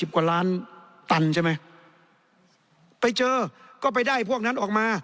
กว่าล้านตันใช่ไหมไปเจอก็ไปได้พวกนั้นออกมา